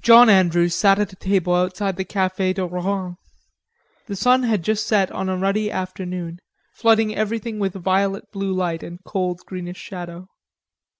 John Andrews sat at a table outside the cafe de Rohan. The sun had just set on a ruddy afternoon, flooding everything with violet blue light and cold greenish shadow.